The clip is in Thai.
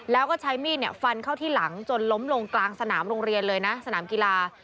แล้วก็ใช้มีดฟันเข้าที่หลังจนล้มลงกลางสนามโรงเรียนเลยนะสนามกีฬา